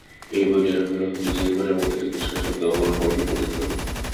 এই বলিয়া রাজলক্ষ্মী নিজের ঘরের মধ্যে ঢুকিয়া সশব্দে অর্গল বন্ধ করিলেন।